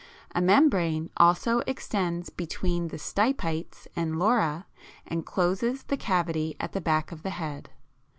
A membrane also extends between the stipites and lora, and closes the cavity at the back of the head.